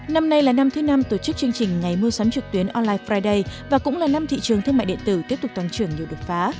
năm nay là năm thứ năm tổ chức chương trình ngày mua sắm trực tuyến online friday và cũng là năm thị trường thương mại điện tử tiếp tục toàn trưởng nhiều đột phá